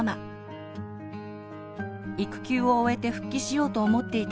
育休を終えて復帰しようと思っていた